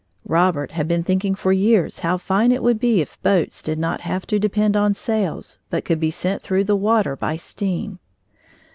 Robert had been thinking for years how fine it would be if boats did not have to depend on sails but could be sent through the water by steam.